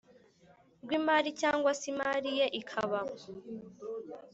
rw imari cyangwa se imari ye ikaba